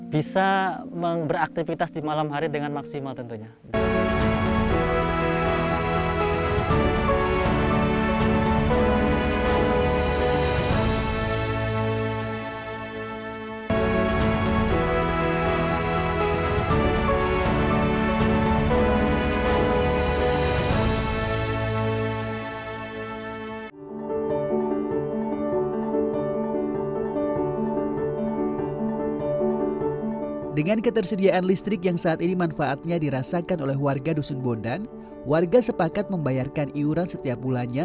bisa beraktivitas di malam hari dengan maksimal tentunya